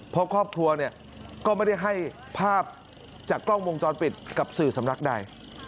เพราะครอบครัวเนี่ยก็ไม่ได้ให้ภาพจากกล้องวงจรปิดกับสื่อสำนักใด